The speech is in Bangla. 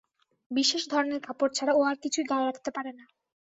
বিশেষ ধরনের কাপড় ছাড়া ও আর কিছুই গায়ে রাখতে পারে না।